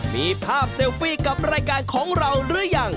มีภาพเซลฟี่กับรายการของเราหรือยัง